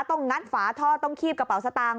งัดฝาท่อต้องคีบกระเป๋าสตางค